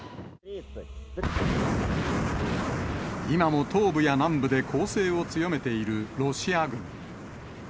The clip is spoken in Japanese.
今も東部や南部で攻勢を強めているロシア軍。